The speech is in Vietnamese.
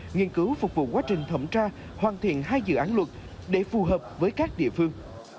nghiên cứu phục vụ quá trình thẩm tra hoàn thiện hai dự án luật để phù hợp với các địa phương